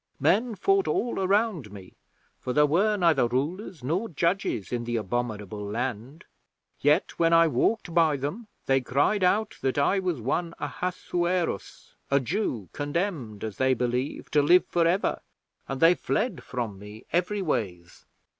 Men fought all around me, for there were neither rulers nor judges in the abominable land. Yet when I walked by them they cried out that I was one Ahasuerus, a Jew, condemned, as they believe, to live for ever, and they fled from me everyways.